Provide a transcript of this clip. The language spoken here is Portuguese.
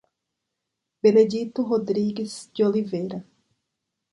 Benedito Rodrigues de Oliveira